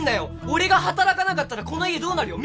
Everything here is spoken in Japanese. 俺が働かなかったらこの家どうなるよ？